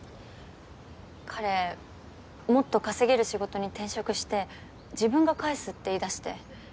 彼もっと稼げる仕事に転職して自分が返すって言いだして。